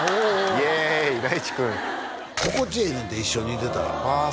イエーイ大知君心地ええねんて一緒にいてたらああ